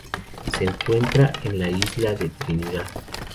Se encuentra en la isla de Trinidad.